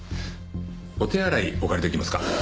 お手洗いお借り出来ますか？